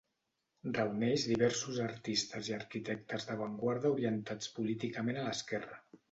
Reuneix diversos artistes i arquitectes d'avantguarda orientats políticament a l'esquerra.